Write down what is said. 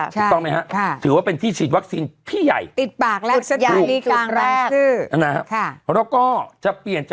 ใช่ค่ะถือว่าเป็นที่ฉีดวัคซีนที่ใหญ่